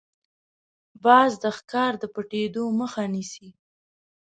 باز د ښکار د پټېدو مخه نیسي